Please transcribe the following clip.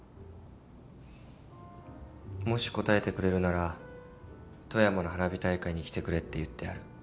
もし応えてくれるなら富山の花火大会に来てくれって言ってある。